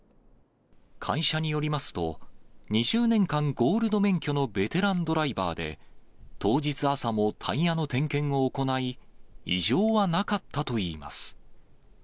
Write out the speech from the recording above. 会社によりますと、２０年間ゴールド免許のベテランドライバーで、当日朝もタイヤの点検を行い、異常はなかったといいます。